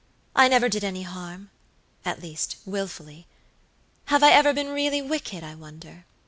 I never did any harmat least, wilfully. Have I ever been really wicked, I wonder?"